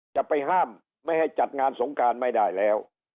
จะไปห้ามไม่ให้จัดงานสงการไม่ได้แล้ว